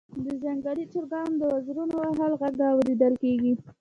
د ځنګلي چرګانو د وزرونو وهلو غږ اوریدل کیږي